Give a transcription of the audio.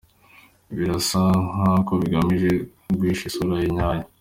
Birasa n’aho agamije guhisha isura ye nyayo.